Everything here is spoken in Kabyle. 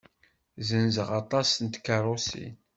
Zenzeɣ aṭas n tkeṛṛusin.